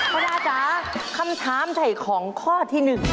ป้าดาจ๋าคำถามไถ่ของข้อที่๑